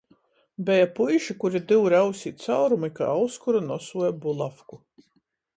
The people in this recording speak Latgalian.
Beja puiši, kuri dyure ausī caurumu i kai auskoru nosuoja bulavku.